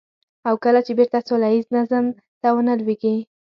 او کله چې بېرته سوله ييز نظم ته ونه لوېږي.